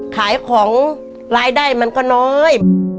ขายของรายได้มันก็น้อย